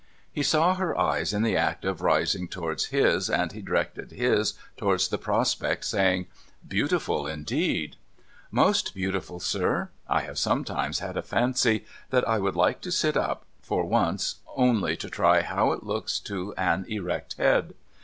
He saw her eyes in the act of rising towards his, and he directed his towards the prospect, saying :' Beautiful, indeed !'' Most beautiful, sir. I have sometimes had a fancy that I would like to sit up, for once, only to try how it looks to an erect head.